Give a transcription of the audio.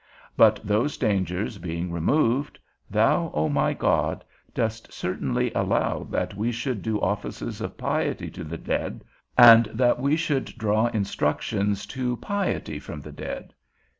But those dangers being removed, thou, O my God, dost certainly allow that we should do offices of piety to the dead and that we should draw instructions to piety from the dead.